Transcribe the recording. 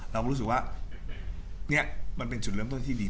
เราก็รู้สึกว่านี่มันเป็นจุดเริ่มต้นที่ดี